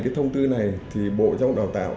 cái thông tư này thì bộ giáo dục đào tạo